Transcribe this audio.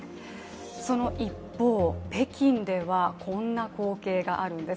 その一方、北京ではこんな光景があるんです。